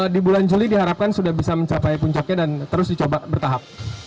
di bulan juli diharapkan sudah bisa mencapai puncaknya dan terus dicoba bertahap